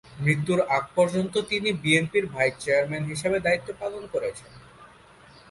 মৃত্যুর আগ পর্যন্ত তিনি বিএনপির ভাইস চেয়ারম্যান হিসেবে দায়িত্ব পালন করেছেন।